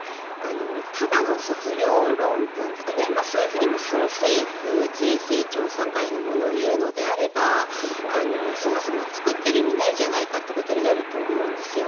ただの卒業論文とかそういうふうに政府税制調査会のものをいうのであればそもそも作っている意味ないじゃないかということになると思うんです。